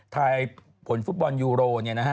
ถ่ายผลฟุตบอลยูโรเนี่ยนะฮะ